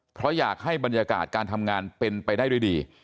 เพราะอยากให้บรรยากาศการทำงานเป็นไปได้ด้วยดี